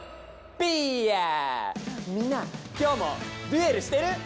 みんな今日もデュエルしてる？